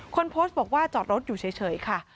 คนโพสต์บอกว่าจอดรถอยู่เฉยค่ะ